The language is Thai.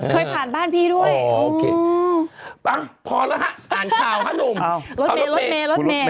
เคยผ่านบ้านพี่ด้วยอ๋อโอเคพอแล้วค่ะอ่านข่าวหนุ่มรถเมล์